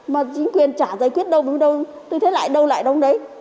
mà chính quyền chả giải quyết đâu đúng đâu tôi thấy lại đâu lại đâu đấy